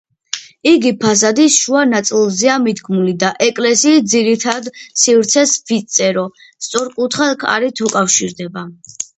იგი ფასადის შუა ნაწილზეა მიდგმული და ეკლესიის ძირითად სივრცეს ვიწერო, სწორკუთხა კარით უკავშირდება.